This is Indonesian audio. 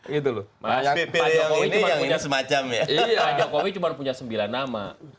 pak jokowi cuma punya sembilan nama